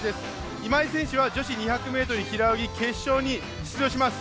今井選手は、女子２００ｍ平泳ぎ決勝に出場します。